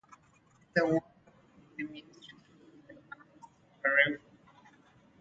The word probably means people living at the mouth of a river.